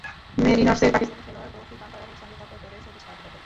মেরিনার্সের পাকিস্তানি খেলোয়াড় তৌফিক আম্পায়ারের সঙ্গে তর্ক করে সবুজ কার্ড দেখেন।